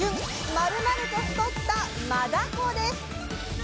まるまると太った「マダコ」です。